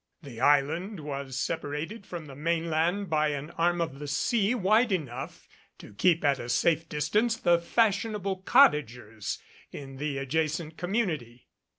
The island was separated from the mainland by an arm of the sea, wide enough to keep at a safe distance the fashionable cottagers in the adjacent community.